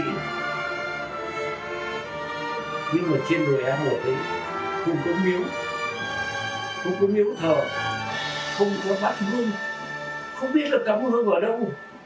nhưng mà trên đội a một ấy không có miếu không có miếu thợ không có bắt lưng không biết là cảm ơn ở đâu